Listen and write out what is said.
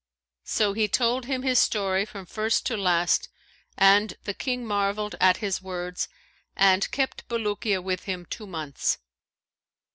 So he told him his story from first to last, and the King marvelled at his words, and kept Bulukiya with him two months."